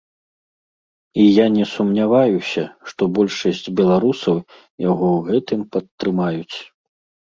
І я не сумняваюся, што большасць беларусаў яго ў гэтым падтрымаюць.